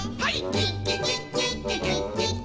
「キッキキッキッキキッキッキ」